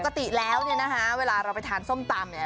ปกติแล้วเนี่ยนะคะเวลาเราไปทานส้มตำเนี่ย